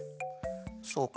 そうか。